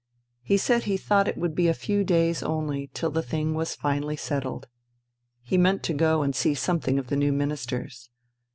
He said he thought it would be a few days only till the thing was finally settled. He meant to go and see some of the new ministers.